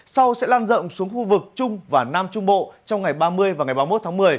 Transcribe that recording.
sau sẽ lan rộng xuống khu vực trung và nam trung bộ trong ngày ba mươi và ngày ba mươi một tháng một mươi